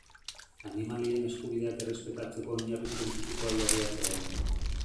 Animalien eskubideak errespetatzeko oinarri zientifikoa jarria zegoen.